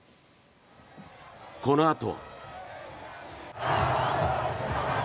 このあとは。